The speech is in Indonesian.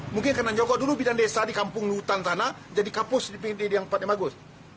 mungkin kena nyokot dulu bidang desa di kampung hutan sana jadi kapus di pinggir yang tempatnya bagus